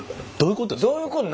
どういうこと？